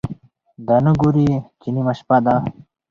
دا نه ګوري چې نیمه شپه ده،